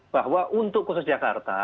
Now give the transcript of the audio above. bahwa untuk kusus jangkauan